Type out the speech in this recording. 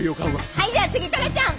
はいじゃあ次虎ちゃん。